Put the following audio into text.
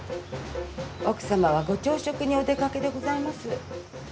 奥様はご朝食にお出かけでございます。